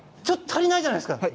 ちょっと足りないじゃないですか。